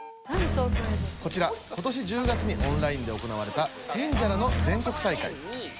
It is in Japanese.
こちら今年１０月にオンラインで行われたニンジャラの全国大会。